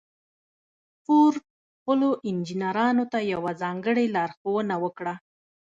فورډ خپلو انجنيرانو ته يوه ځانګړې لارښوونه وکړه.